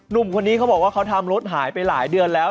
หนุ่มคนนี้เขาบอกว่าเขาทำรถหายไปหลายเดือนแล้ว